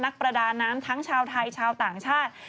ประดาน้ำทั้งชาวไทยชาวต่างชาติ